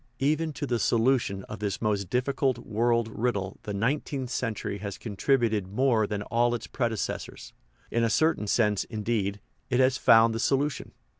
Even to the solution of this most difficult world riddle the nineteenth century has contributed more than all its predecessors ; in a certain sense, indeed, it has found the solution.